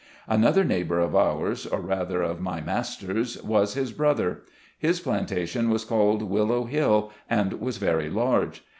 Another neighbor of ours, or rather, of my mas ter's, was his brother. His plantation was called Willow Hill, and was very large.